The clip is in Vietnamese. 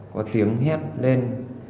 có tiếng hét lên